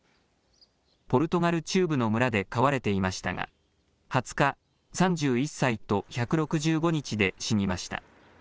ポルトガル中部の村で飼われていましたが、２０日、３１歳と１６５日で死にました。